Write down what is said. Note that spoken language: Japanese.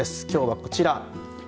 きょうは、こちら。